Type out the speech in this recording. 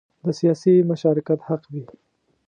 د سیاسي مشارکت حق وي.